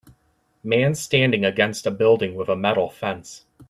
Man standing against a building with a metal fence.